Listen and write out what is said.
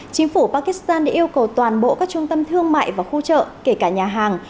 chính phủ pakistan đã yêu cầu toàn bộ các trung tâm thương mại và khu chợ kể cả nhà hàng